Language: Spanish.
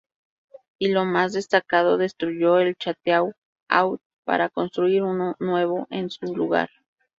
Y lo más destacado, destruyó el Château-Haut para construir uno nuevo en su lugar.